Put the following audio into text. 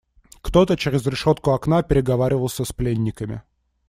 Кто-то через решетку окна переговаривался с пленниками.